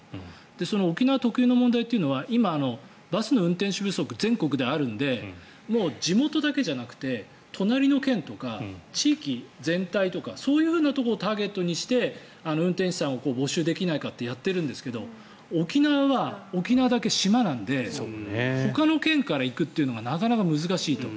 その沖縄特有の問題というのは今、バスの運転手不足が全国であるのでもう地元だけじゃなくて隣の県とか地域全体とかそういうふうなところをターゲットにして運転手さんを募集できないかとやっているんですが沖縄は沖縄だけ島なのでほかの県から行くというのがなかなか難しいと。